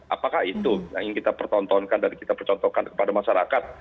apakah itu yang kita pertontonkan dan kita percontohkan kepada masyarakat